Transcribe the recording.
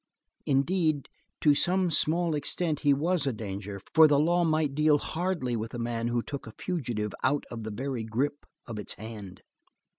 Indeed, to some small extent he was a danger, for the law might deal hardly with a man who took a fugitive out of the very grip of its hand.